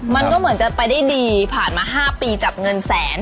มันก็เหมือนจะไปได้ดีผ่านมา๕ปีจับเงินแสน